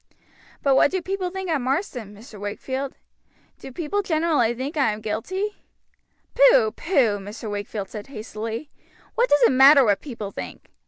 "But what do people think at Marsden, Mr. Wakefield? Do people generally think I am guilty?" "Pooh! pooh!" Mr. Wakefield said hastily. "What does it matter what people think?